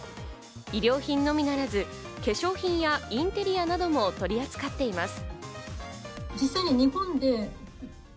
衣料品のみならず、化粧品やインテリアなども取り扱っています。